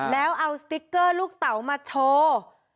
แล้วเอาสติ๊กเกอร์ลูกเต๋ามาโชว์